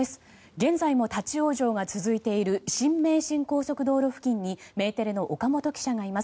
現在も立ち往生が続いている新名神高速道路付近にメテレの岡本記者がいます。